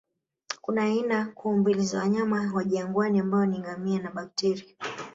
Kuna aina kuu mbili za wanyama wa jangwani ambao ni ngamia na bakteria